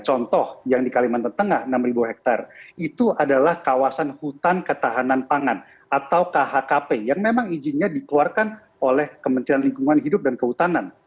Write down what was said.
contoh yang di kalimantan tengah enam hektare itu adalah kawasan hutan ketahanan pangan atau khkp yang memang izinnya dikeluarkan oleh kementerian lingkungan hidup dan kehutanan